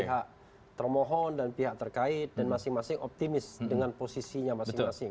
pihak termohon dan pihak terkait dan masing masing optimis dengan posisinya masing masing